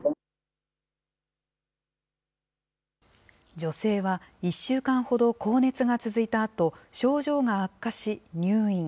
女性は１週間ほど高熱が続いたあと、症状が悪化し、入院。